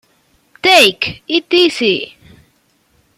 Take It Easy!